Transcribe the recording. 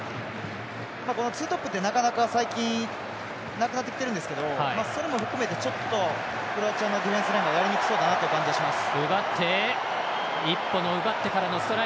ツートップって、なかなか最近なくなってきてるんですけどそれも含めてクロアチアのディフェンスがやりにくそうかなという感じがしそうです。